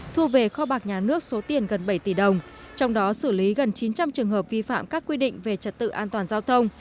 thu về kho bạc nhà nước số tiền gần bảy tỷ đồng trong đó xử lý gần chín trăm linh trường hợp vi phạm các quy định về trật tự an toàn giao thông